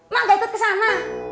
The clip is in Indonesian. mak gak ikut kesana